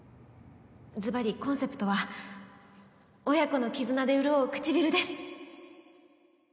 ズバリコンセプトは親子の絆で潤う唇